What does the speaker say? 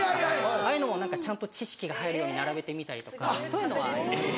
ああいうのもちゃんと知識が入るように並べてみたりとかそういうのはあります。